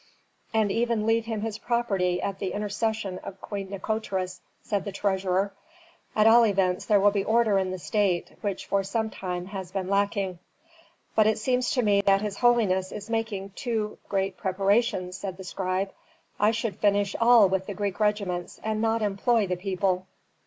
"And even leave him his property at the intercession of Queen Nikotris," said the treasurer. "At all events there will be order in the state, which for some time has been lacking." "But it seems to me that his holiness is making too great preparations," said the scribe. "I should finish all with the Greek regiments, and not employ the people."